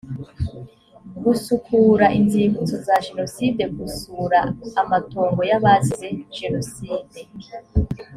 gusukura inzibutso za jenoside gusura amatongo y abazize jenoside